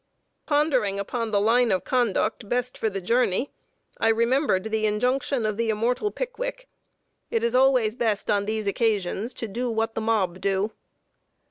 Pondering upon the line of conduct best for the journey, I remembered the injunction of the immortal Pickwick: "It is always best on these occasions to do what the mob do!"